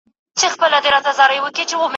پرېږده چي تڼاکي مي اوبه کم په اغزیو کي